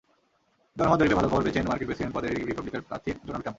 জনমত জরিপে ভালো খবর পেয়েছেন মার্কিন প্রেসিডেন্ট পদে রিপাবলিকান প্রার্থী ডোনাল্ড ট্রাম্প।